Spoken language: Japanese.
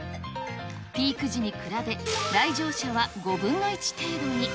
ピーク時に比べ、来場者は５分の１程度に。